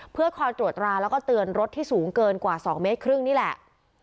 เพื่อคอยตรวจราแล้วก็เตือนรถที่สูงเกินกว่า๒เมตรครึ่งนี่แหละ